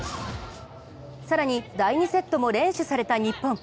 更に第２セットも連取された日本。